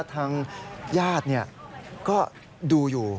ทางญาติเนี่ยก็ดูอยู่